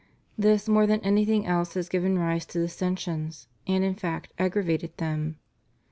This, more than anything else, has given rise to dissensions, and in fact aggravated them.